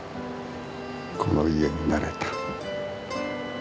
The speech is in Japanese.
この家に慣れた。